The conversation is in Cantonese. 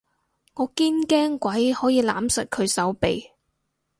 我堅驚鬼可以攬實佢手臂